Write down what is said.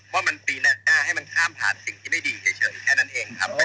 ให้มันข้ามผ่านสิ่งที่ไม่ดีเฉยแค่นั้นเองครับ